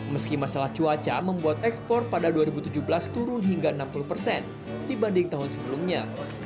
meski masalah cuaca membuat ekspor pada dua ribu tujuh belas turun hingga enam puluh persen dibanding tahun sebelumnya